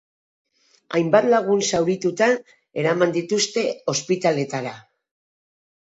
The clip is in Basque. Hainbat lagun zaurituta eraman dituzte, ospitaletara.